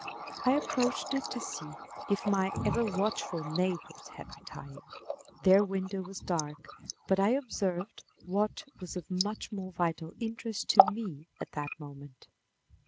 I approached it to see if my ever watchful neighbors had retired. Their window was dark, but I observed what was of much more vital interest to me at that moment.